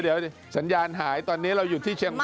เดี๋ยวสัญญาณหายตอนนี้เราอยู่ที่เชียงใหม่